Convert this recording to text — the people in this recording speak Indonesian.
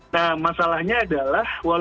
nah masalahnya adalah